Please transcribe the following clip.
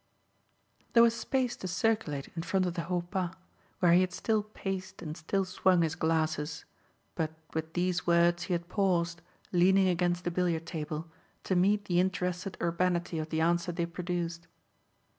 There was space to circulate in front of the haut pas, where he had still paced and still swung his glasses; but with these words he had paused, leaning against the billiard table, to meet the interested urbanity of the answer they produced.